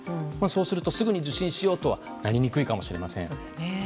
そうするとすぐに受診しようとはなりにくいかもしれません。